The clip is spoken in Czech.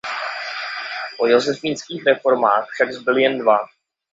Po josefínských reformách však zbyly jen dva.